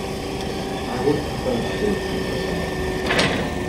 I would prefer to do it in November.